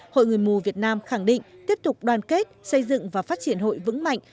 hội người mù việt nam khẳng định tiếp tục đoàn kết xây dựng và phát triển hội vững mạnh